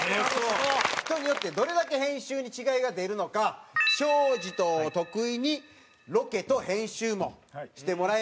人によってどれだけ編集に違いが出るのか庄司と徳井にロケと編集もしてもらいました。